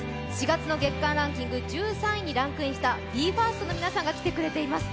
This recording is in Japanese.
４月の月間ランキング１３位にランクインしたＢＥ：ＦＩＲＳＴの皆さんが来てくれています。